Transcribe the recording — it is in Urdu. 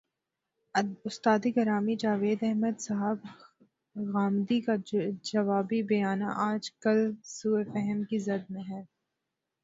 استاد گرامی جاوید احمد صاحب غامدی کا جوابی بیانیہ، آج کل سوء فہم کی زد میں ہے۔